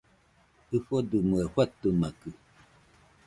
ɨfodɨmɨe fatɨmakɨ